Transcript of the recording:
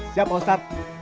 siap pak mustaq